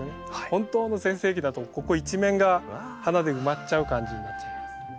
本当の全盛期だとここ一面が花で埋まっちゃう感じになっちゃいます。